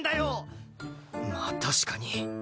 まあ確かに